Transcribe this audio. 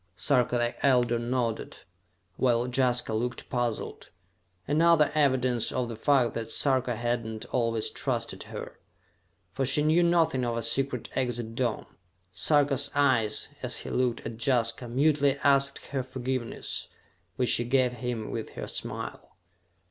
Sarka the Elder nodded, while Jaska looked puzzled. Another evidence of the fact that Sarka had not always trusted her, for she knew nothing of a secret exit dome. Sarka's eyes, as he looked at Jaska, mutely asked her forgiveness, which she gave him with her smile.